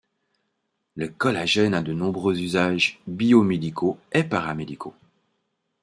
Le collagène a de nombreux usages biomédicaux et paramédicaux.